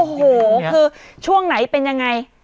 โอ้โหคือช่วงไหนเป็นยังไง